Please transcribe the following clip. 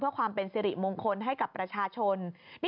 เพื่อความเป็นสิริมงคลให้กับประชาชน